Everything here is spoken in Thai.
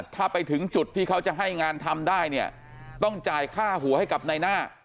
ถ้าไปถึงจุดที่เขาจะให้งานทำได้เนี่ยต้องจ่ายค่าหัวให้กับนายหน้า